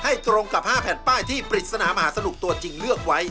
ตรงกับ๕แผ่นป้ายที่ปริศนามหาสนุกตัวจริงเลือกไว้